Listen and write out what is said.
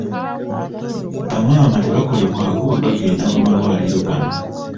Bamaama tebakolebwako bwe bagenda mu malwaliro gano.